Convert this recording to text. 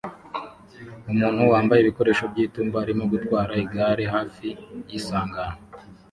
Umuntu wambaye ibikoresho by'itumba arimo gutwara igare hafi y'isangano